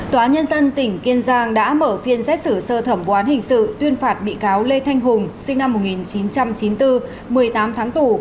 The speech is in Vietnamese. tòa nhân dân tỉnh kiên giang đã mở phiên xét xử sơ thẩm vụ án hình sự tuyên phạt bị cáo lê thanh hùng sinh năm một nghìn chín trăm chín mươi bốn một mươi tám tháng tù